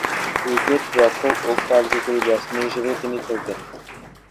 উইকেট-রক্ষক ও কার্যকরী ব্যাটসম্যান হিসেবে খেলতেন।